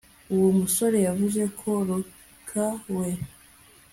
uwo musore yavuye kuri rocker we